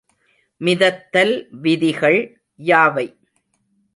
மிதத்தல் விதிகள் யாவை?